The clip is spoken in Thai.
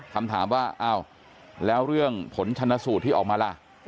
คำถามว่าอ้าวแล้วเรื่องผลชนสูตรที่ออกมาล่ะ